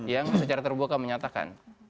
yang secara terbuka menyatakan